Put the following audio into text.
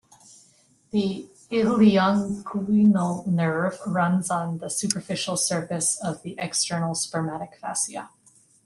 The ilioinguinal nerve runs on the superficial surface of the external spermatic fascia.